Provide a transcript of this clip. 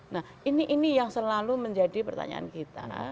nah ini yang selalu menjadi pertanyaan kita